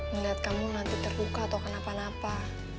ngelihat kamu nanti terluka atau kenapa napa